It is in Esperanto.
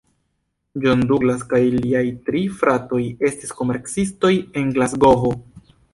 John Douglas kaj liaj tri fratoj estis komercistoj en Glasgovo.